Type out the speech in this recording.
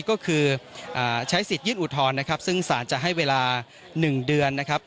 ก็คือใช้สิทธิ์ยื่นอุทธรณ์นะครับซึ่งสารจะให้เวลา๑เดือนนะครับ